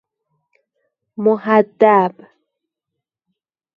محدب